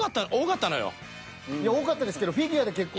いや多かったですけどフィギュアで結婚した。